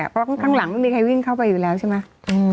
เพราะข้างหลังไม่มีใครวิ่งเข้าไปอยู่แล้วใช่ไหม